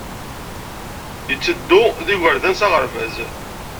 Itteddu ed yigerdan s aɣerbaz.